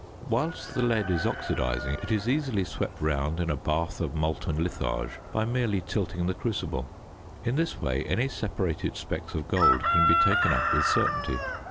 Whilst the lead is oxidising it is easily swept round in a bath of molten litharge by merely tilting the crucible. In this way any separated specks of gold can be taken up with certainty.